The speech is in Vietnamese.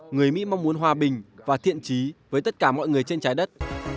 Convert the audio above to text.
người mỹ mong muốn hòa bình và thiện trí với tất cả mọi người trên trái đất